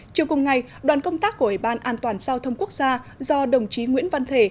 chiều cùng ngày đoàn công tác của ủy ban an toàn giao thông quốc gia do đồng chí nguyễn văn thể